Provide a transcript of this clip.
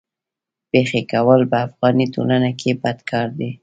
پېښې کول په افغاني ټولنه کي بد کار دی.